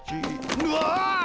うわ！